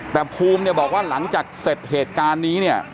แต่ภูมิเนี่ยบอกว่าหลังจากเสร็จเหตุการณ์นี้เนี่ย